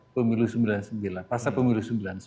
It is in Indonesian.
pemilu sembilan puluh sembilan pasal pemilu sembilan puluh sembilan